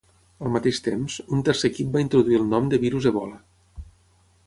Al mateix temps, un tercer equip va introduir el nom de virus Ebola.